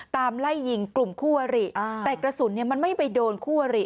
ไล่ยิงกลุ่มคู่อริแต่กระสุนเนี่ยมันไม่ไปโดนคู่อริ